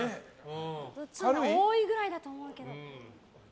多いくらいだと思うけど。